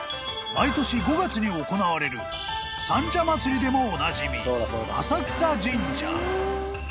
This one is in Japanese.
［毎年５月に行われる三社祭でもおなじみ浅草神社］